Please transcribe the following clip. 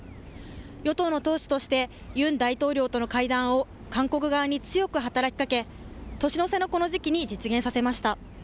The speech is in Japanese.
与党の党首としてユン大統領との会談を韓国側に強く働きかけ年の瀬のこの時期に実現させました。